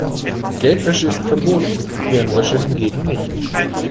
Geldwäsche ist verboten, Hirnwäsche hingegen nicht.